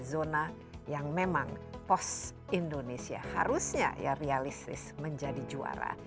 zona yang memang pos indonesia harusnya ya realistis menjadi juara